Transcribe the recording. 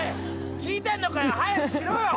聞いてんのかよ早くしろよ！